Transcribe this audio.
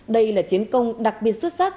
đây là chiến công đặc biệt xuất sắc